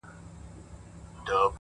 هره لاسته راوړنه ژمنتیا غواړي,